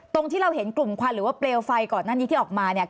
ตรงที่เราเห็นกลุ่มควันหรือว่าเปลวไฟก่อนหน้านี้ที่ออกมาเนี่ย